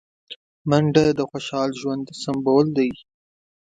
منډه د خوشحال ژوند سمبول دی